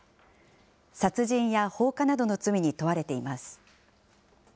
殺人や放火などの罪に問われています。